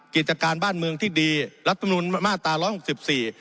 กิจการบ้านเมืองที่ดีรัฐมนุนมาตราร้อยหกสิบสี่